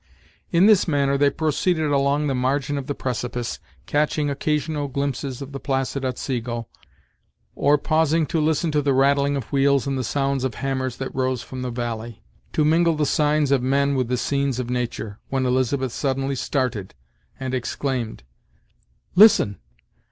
In this manner they proceeded along the margin of the precipice, catching occasional glimpses of the placid Otsego, or pausing to listen to the rattling of wheels and the sounds of hammers that rose from the valley, to mingle the signs of men with the scenes of nature, when Elizabeth suddenly started, and exclaimed: "Listen!